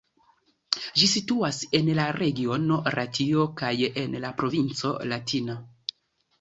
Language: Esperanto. Ĝi situas en la regiono Latio kaj en la provinco Latina.